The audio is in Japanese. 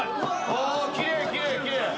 ああきれいきれいきれい。